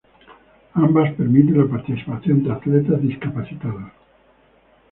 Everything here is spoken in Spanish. Ambas permiten la participación de atletas discapacitados.